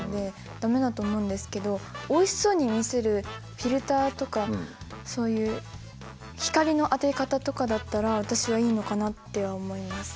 駄目だと思うんですけどおいしそうに見せるフィルターとかそういう光の当て方とかだったら私はいいのかなって思います。